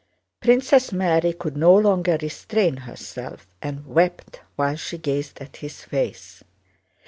Princess Mary could no longer restrain herself and wept while she gazed at his face.